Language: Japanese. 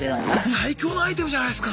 最強のアイテムじゃないすか。